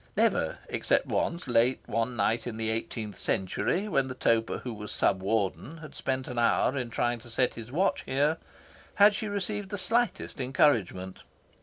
Never, except once, late one night in the eighteenth century, when the toper who was Sub Warden had spent an hour in trying to set his watch here, had she received the slightest encouragement.